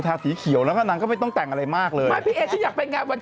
นั่งเหมือนทักนะนี้แดงนั่งเหมือนทักอะไร